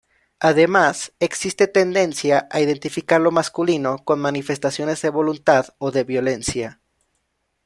Además existe tendencia a identificar lo masculino con manifestaciones de voluntad o de violencia.